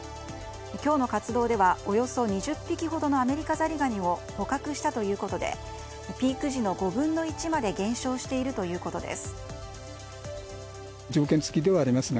今日の活動ではおよそ２０匹ほどのアメリカザリガニを捕獲したということでピーク時の５分の１まで減少しているということです。